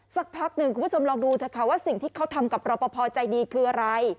สักพักหนึ่งคุณผู้ชมลองดูเถอะค่ะว่าสิ่งที่เขาทำกับรอปภใจดีคืออะไร